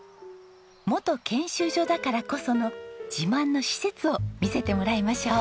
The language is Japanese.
元研修所だからこその自慢の施設を見せてもらいましょう。